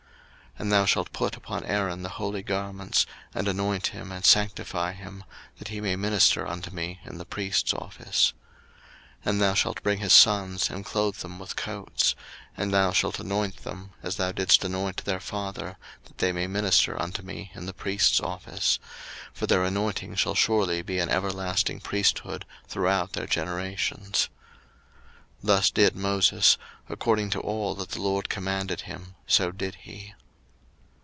02:040:013 And thou shalt put upon Aaron the holy garments, and anoint him, and sanctify him; that he may minister unto me in the priest's office. 02:040:014 And thou shalt bring his sons, and clothe them with coats: 02:040:015 And thou shalt anoint them, as thou didst anoint their father, that they may minister unto me in the priest's office: for their anointing shall surely be an everlasting priesthood throughout their generations. 02:040:016 Thus did Moses: according to all that the LORD commanded him, so did he.